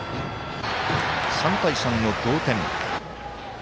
３対３の同点。